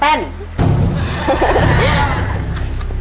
ปะละ